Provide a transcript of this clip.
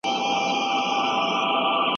حساب کتاب مې په هره میاشت کې کوم.